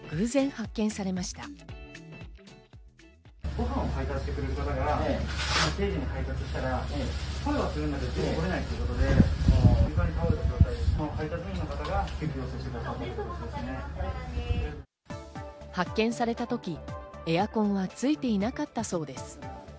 発見された時、エアコンはついていなかったそうです。